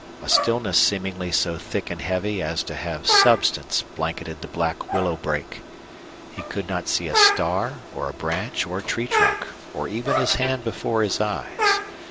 A stillness seemingly so thick and heavy as to have substance blanketed the black willow brake. He could not see a star or a branch or tree trunk or even his hand before his eyes.